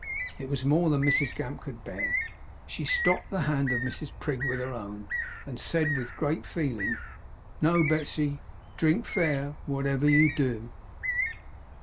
It was more than Mrs Gamp could bear. She stopped the hand of Mrs Prig with her own, and said, with great feeling: 'No, Betsey! Drink fair, wotever you do!